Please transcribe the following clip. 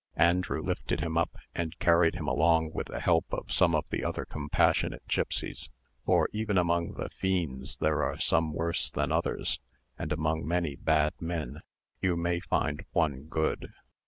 Andrew lifted him up, and carried him along with the help of some of the other compassionate gipsies; for even among the fiends there are some worse than others, and among many bad men you may find one good.